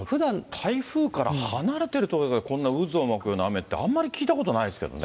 台風から離れた所からこんな渦を巻くような雨って、あんまり聞いたことないですけどね。